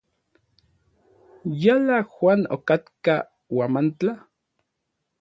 ¿Yala Juan okatka Huamantla?